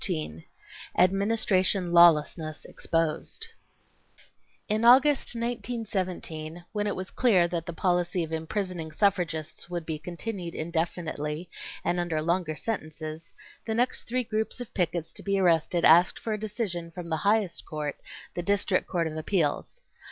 Chapter 13 Administration—Lawlessness Exposed In August, 1917, when it was clear that the policy of imprisoning suffragists would be continued indefinitely, and under longer sentences, the next three groups of pickets to be arrested asked for a decision from the highest court, the District Court of Appeals.